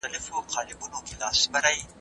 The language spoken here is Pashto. په ځان روغ وو رنګ